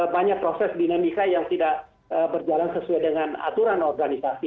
banyak proses dinamika yang tidak berjalan sesuai dengan aturan organisasi